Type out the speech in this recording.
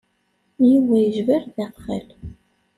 Yuba yejba ɣer daxel.